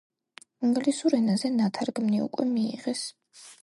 ინგლისურ ენაზე ნათარგმნი უკვე მიიღეს.